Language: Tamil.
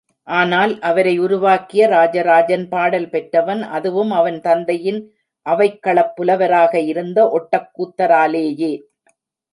ஆனால் அவரை உருவாக்கிய ராஜராஜன் பாடல் பெற்றவன், அதுவும் அவனது தந்தையின் அவைக்களப் புலவராக இருந்த ஒட்டக்கூத்தராலேயே.